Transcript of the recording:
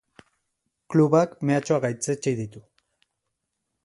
Klubak mehatxuak gaitzetsi ditu.